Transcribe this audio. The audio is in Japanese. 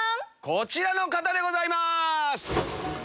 こちらの方でございます。